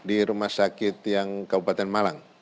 di rumah sakit yang kabupaten malang